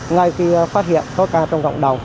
ngay khi phát hiện có ca trong cộng đồng